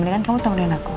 ini kan kamu temenin aku